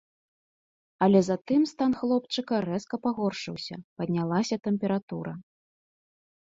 Але затым стан хлопчыка рэзка пагоршыўся, паднялася тэмпература.